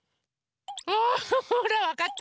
ほらわかった？